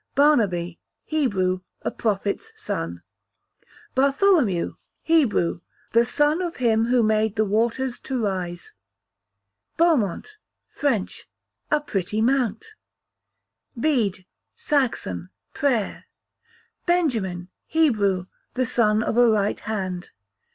Barnaby, Hebrew, a prophet's son. Bartholomew, Hebrew, the son of him who made the waters to rise. Beaumont, French, a pretty mount. Bede, Saxon, prayer. Benjamin, Hebrew, the son of a right hand.